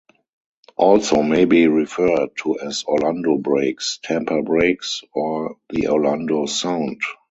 Also may be referred to as Orlando breaks, Tampa Breaks, or The Orlando Sound.